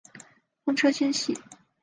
风车星系。